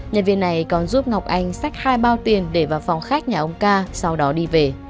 nhân viên này còn giúp ngọc anh xách hai bao tiền để vào phòng khách nhà ông ca sau đó đi về